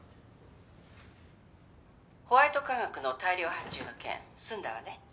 ホワイト化学の大量発注の件済んだわね？